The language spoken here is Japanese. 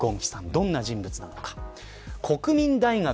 どんな人物なのか。